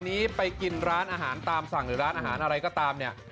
นี้ไปกินร้านอาหารตามสั่งหรือร้านอาหารอะไรก็ตามเนี่ย